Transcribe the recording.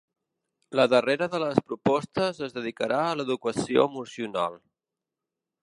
La darrera de les propostes es dedicarà a l’educació emocional.